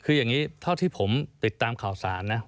คืออย่างนี้เท่าที่ผมติดตามข่าวสารนะ